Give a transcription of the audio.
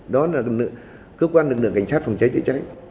đó là cơ quan lực lượng cảnh sát phòng cháy chữa cháy